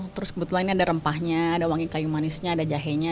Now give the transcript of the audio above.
terus kebetulan ini ada rempahnya ada wangi kayu manisnya ada jahenya